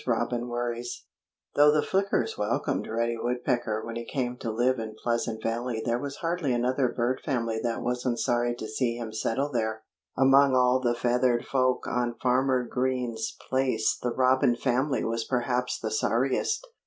ROBIN WORRIES* Though the Flickers welcomed Reddy Woodpecker when he came to live in Pleasant Valley there was hardly another bird family that wasn't sorry to see him settle there. Among all the feathered folk on Farmer Green's place the Robin family was perhaps the sorriest.